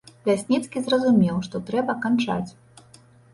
Лясніцкі зразумеў, што трэба канчаць.